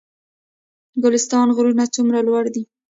ګلستان غرونه څومره لوړ دي؟